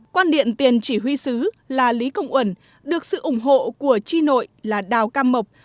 quan điện tiền chỉ huy sứ là lý công uẩn được sự ủng hộ của tri nội là đào cam mộc